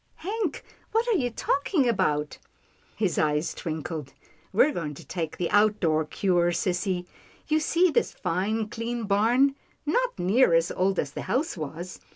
" Hank, what are you talking about ?" His eyes twinkled. " We're going to take the out door cure, sissy. You see this fine, clean barn, not near as old as the house was.